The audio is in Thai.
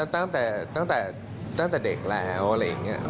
ตั้งแต่เด็กแล้วอะไรอย่างนี้